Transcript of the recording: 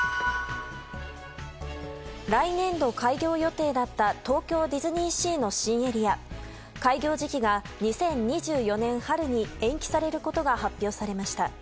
来年度開業予定だった東京ディズニーシーの新エリア開業時期が２０２４年春に延期されることが発表されました。